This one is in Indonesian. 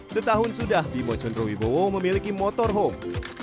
setahun sudah bimo condrowibowo memiliki motorhome